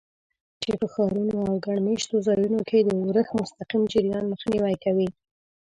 چې په ښارونو او ګڼ مېشتو ځایونو کې د اورښت مستقیم جریان مخنیوی کوي.